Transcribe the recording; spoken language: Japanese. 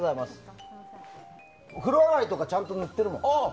風呂上がりとかちゃんと塗ってるもん。